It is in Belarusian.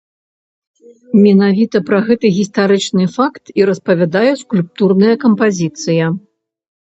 Менавіта пра гэты гістарычны факт і распавядае скульптурная кампазіцыя.